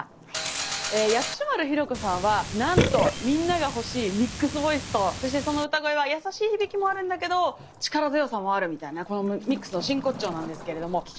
薬師丸ひろ子さんはなんとみんなが欲しいミックスボイスとそしてその歌声は優しい響きもあるんだけど力強さもあるみたいなこのミックスの真骨頂なんですけれども聴き手をグッと引きつける。